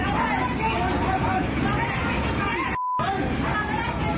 สวัสดีครับคุณผู้ชายสวัสดีครับคุณผู้ชาย